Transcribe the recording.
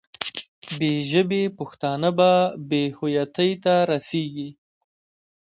بې ژبې پښتانه به بې هویتۍ ته رسېږي.